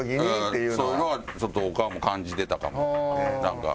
そういうのはちょっとオカンも感じてたかもなんか。